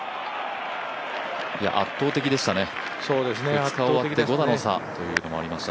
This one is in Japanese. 圧倒的でしたね、２日終わって、５打の差がありました。